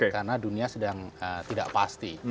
karena dunia sedang tidak pasti